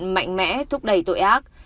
thủ hận mạnh mẽ thúc đẩy tội ác